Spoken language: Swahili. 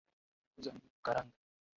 Ninauza njugu karanga